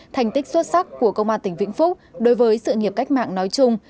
thành tích xuất sắc của công an tỉnh vĩnh phúc đối với sự nghiệp cách mạng nói chung